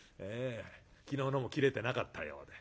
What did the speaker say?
昨日のも斬れてなかったようで。